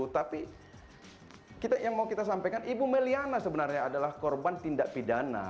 tapi yang mau kita sampaikan ibu meliana sebenarnya adalah korban tindak pidana